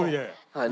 はい。